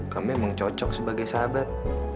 kamu emang cocok sebagai sahabat